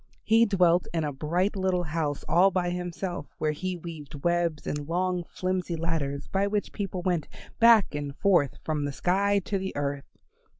He dwelt in a bright little house all by himself, where he weaved webs and long flimsy ladders by which people went back and forth from the sky to the earth.